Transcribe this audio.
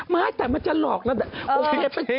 ไม่แต่มันจะหลอกนะ